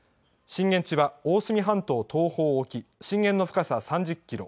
震源地は大隅半島東方沖、震源の深さは３０キロ。